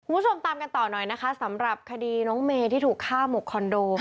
คุณผู้ชมตามกันต่อหน่อยนะคะสำหรับคดีน้องเมย์ที่ถูกฆ่าหมกคอนโด